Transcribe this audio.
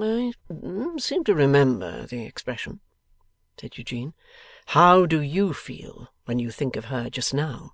'I seem to remember the expression,' said Eugene. 'How do YOU feel when you think of her just now?